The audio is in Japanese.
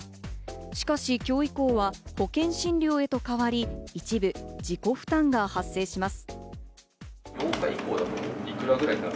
しかし、今日以降は保険診療へと変わり、一部自己負担が発生します。